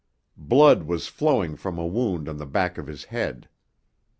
Blood was flowing from a wound on the back of his head.